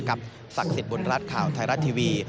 กับศักดิ์สิทธิ์บนราชข่าวไทยรัฐทีวี